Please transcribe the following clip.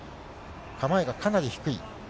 構えがかなり低い。